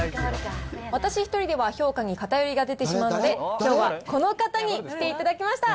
私１人では評価に偏りが出てしまうので、きょうはこの方に来ていただきました。